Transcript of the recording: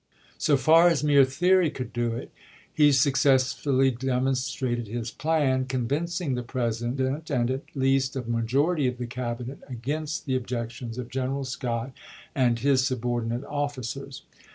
So far as mere theory could do it, he successfully demonstrated his plan, convincing the President and at least a majority of the Cabinet against the objections of General Scott and his subordinate officers.